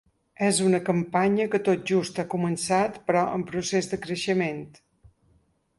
És una campanya que tot just ha començat, però en procés de creixement.